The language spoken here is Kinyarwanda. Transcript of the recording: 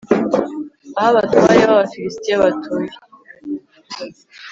aho abatware b'abafilisiti batuye